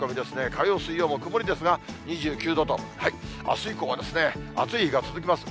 火曜、水曜も曇りですが、２９度と、あす以降は、暑い日が続きます。